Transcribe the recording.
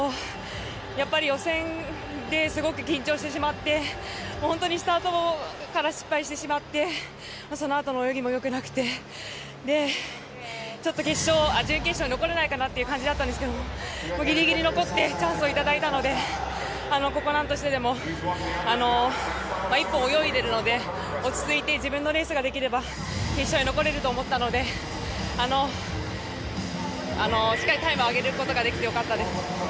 予選ですごく緊張してしまって本当にスタートから失敗してしまってそのあとの泳ぎもよくなくてちょっと準決勝残れないかなという感じだったんですけどギリギリ残ってチャンスを頂いたのでここをなんとしても１本、泳いでいるので落ち着いて自分のレースができれば決勝に残れると思ったのでしっかりタイムを上げることができてよかったです。